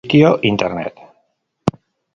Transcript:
Su sitio internet